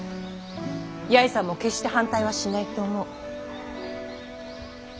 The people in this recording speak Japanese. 八重さんも決して反対はしないと思う。